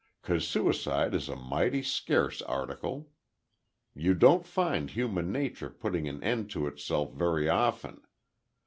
'Cause suicide is a mighty scarce article. You don't find Human Nature putting an end to itself very often.